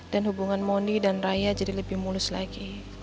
dan hubungan moni dan raya jadi lebih mulus lagi